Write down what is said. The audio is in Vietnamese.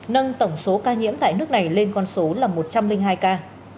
nâng tổng số ca nhiễm tại nước này lên con số là một trăm linh hai ca